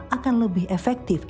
akan lebih efektif